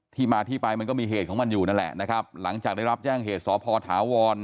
ที่มาที่ไปมันก็มีเหตุของมันอยู่นั่นแหละนะครับหลังจากได้รับแจ้งเหตุสพถาวร